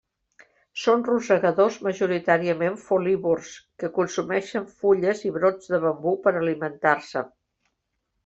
Són rosegadors majoritàriament folívors que consumeixen fulles i brots de bambú per alimentar-se.